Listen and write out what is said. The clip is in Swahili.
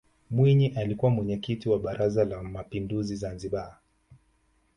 mwinyi alikuwa mwenyekiti wa baraza la mapinduzi zanzibar